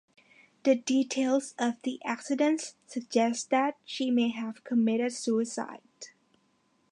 The details of the accident suggest that she may have committed suicide.